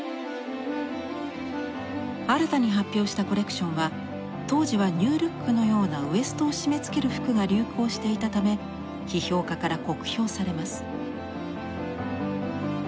新たに発表したコレクションは当時はニュールックのようなウエストを締めつける服が流行していたため批評家から酷評されます。